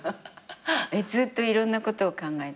ずっといろんなことを考え